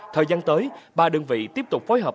thời gian tới ba đơn vị tiếp tục phối hợp